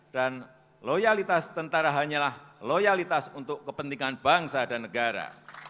dan loyalitas tentara hanyalah loyalitas untuk kepentingan bangsa dan negara